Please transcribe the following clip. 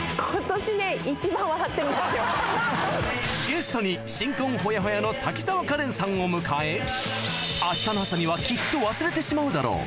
ゲストに新婚ホヤホヤの滝沢カレンさんを迎え明日の朝にはきっと忘れてしまうだろう